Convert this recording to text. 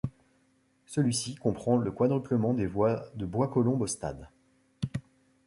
Celui-ci comprend le quadruplement des voies de Bois-Colombes au Stade.